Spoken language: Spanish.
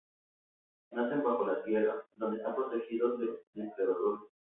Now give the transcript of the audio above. Nacen bajo tierra, donde están protegidos de los depredadores.